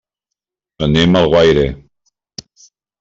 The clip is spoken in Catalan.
Anem a Alguaire.